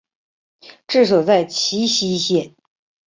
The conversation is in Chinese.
治所在齐熙县。